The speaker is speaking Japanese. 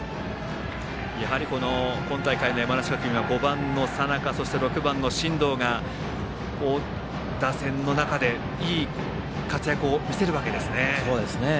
やはり今大会の山梨学院は５番の佐仲そして６番の進藤が打線の中でいい活躍を見せるわけですね。